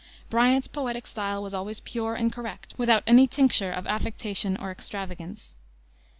Bryant's poetic style was always pure and correct, without any tincture of affectation or extravagance.